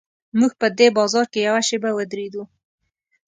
موږ په دې بازار کې یوه شېبه ودرېدو.